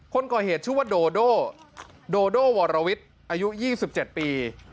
คนก่อเหตุชื่อว่าโดโดโดโดวรวิทอายุยี่สิบเจ็ดปี